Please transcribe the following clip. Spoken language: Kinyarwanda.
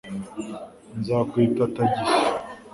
Nzakwita tagisi